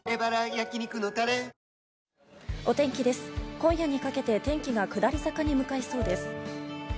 今夜にかけて天気が下り坂に向かいそうです。